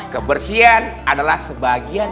kebersihan adalah sebagian